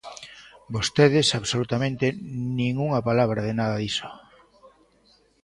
Vostedes absolutamente nin unha palabra de nada diso.